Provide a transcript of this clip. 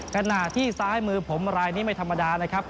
ขณะที่ซ้ายมือผมรายนี้ไม่ธรรมดานะครับ